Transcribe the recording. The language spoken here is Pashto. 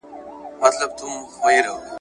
موږ نه پوهیږو چي رباب `